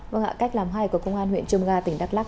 vâng ạ cách làm hay của công an huyện cư mơ ga tỉnh đắk lắc